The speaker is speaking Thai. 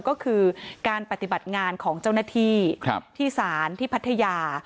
ก็คือการปฏิบัติงานของเจ้าหน้าที่ที่ศาลที่พัทยา